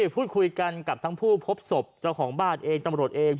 พูดคุยกันกับทั้งผู้พบศพเจ้าของบ้านเองตำรวจเอง